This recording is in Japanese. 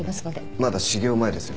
まだ始業前ですよね。